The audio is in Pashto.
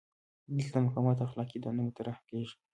دلته د مقاومت اخلاقي دنده مطرح کیږي.